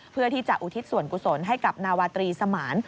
เพื่อที่จะอุทิศส่วนกุศลให้กับนาวาตรีสมาน